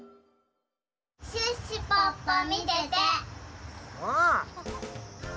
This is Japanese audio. シュッシュポッポみてて！